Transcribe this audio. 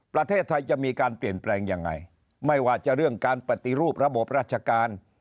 ประเทศไทยจะมีการเปลี่ยนแปลงยังไงไม่ว่าจะเรื่องการปฏิรูประบบราชการ